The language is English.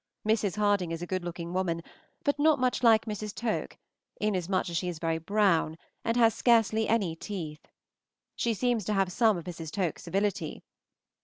Mrs. Harding is a good looking woman, but not much like Mrs. Toke, inasmuch as she is very brown and has scarcely any teeth; she seems to have some of Mrs. Toke's civility.